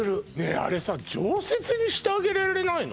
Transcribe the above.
あれさ常設にしてあげられないの？